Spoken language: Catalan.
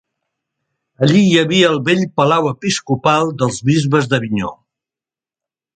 Allí hi havia el vell palau episcopal dels bisbes d'Avinyó.